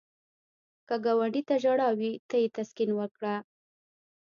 که ګاونډي ته ژړا وي، ته یې تسکین ورکړه